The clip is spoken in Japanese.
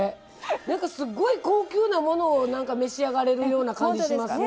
なんかすごい高級なものを召し上がれるような感じしますね。